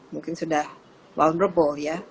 mungkin sudah vulnerable ya